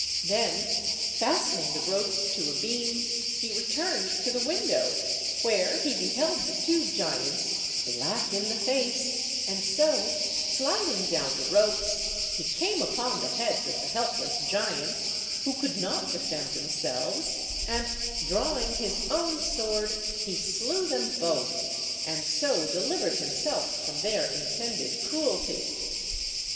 Then, fastening the ropes to a beam, he returned to the window, where he beheld the two giants black in the face, and so sliding down the ropes, he came upon the heads of the helpless giants, who could not defend themselves, and, drawing his own sword, he slew them both, and so delivered himself from their intended cruelty.